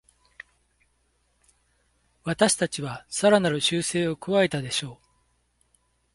私たちはさらなる修正を加えたでしょう